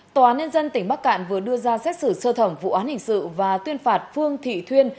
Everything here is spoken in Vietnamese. tòa án nhân dân tỉnh bắc cạn vừa đưa ra xét xử sơ thẩm vụ án hình sự và tuyên phạt phương thị thuyên